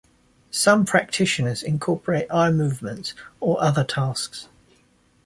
Some practitioners incorporate eye movements or other tasks.